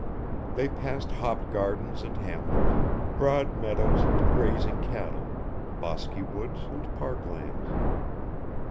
They passed hop gardens and hamlets, broad meadows and grazing cattle, bosky woods and park lands.